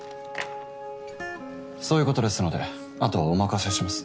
そういうことですので後はお任せします。